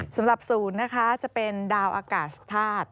สำหรับศูนย์นะคะจะเป็นดาวอากาศธาตุ